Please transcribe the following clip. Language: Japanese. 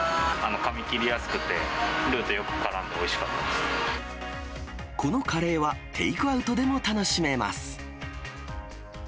かみ切りやすくて、ルーとよこのカレーはテイクアウトでも楽しめます。